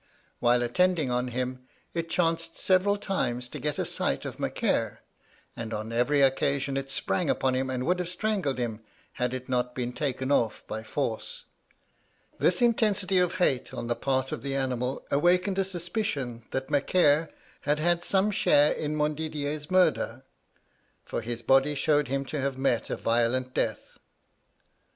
While attending on him, it chanced several times to get a sight of Macaire, and on every occasion it sprang upon him, and would have strangled him had it not been taken off by force. This intensity of hate on the part of the animal awakened a suspicion that Macaire had had some share in Montdidier's murder, for his body showed him to have met a violent death.